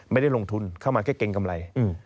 ไม่ได้ลงทุนเข้ามาแค่เกรงกำไร